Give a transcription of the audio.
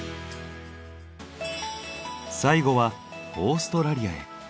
最後はオーストラリアへ。